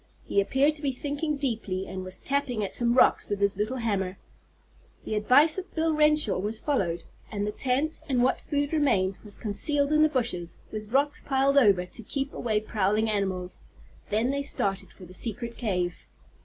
He appeared to be thinking deeply, and was tapping at some rocks with his little hammer. The advice of Bill Renshaw was followed, and the tent, and what food remained, was concealed in the bushes, with rocks piled over to keep away prowling animals. Then they started for the secret cave.